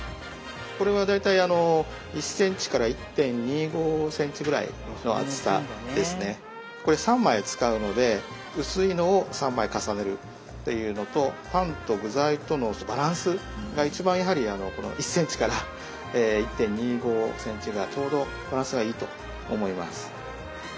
これは大体あのこれ３枚使うので薄いのを３枚重ねるっていうのとパンと具材とのバランスが一番やはりあのこの１ｃｍから１．２５ｃｍがちょうどバランスがいいと思います。